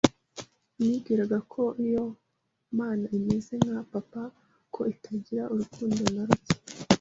nibwiraga ko iyo Mana imeze nka papa ko itagira urukundo na ruke,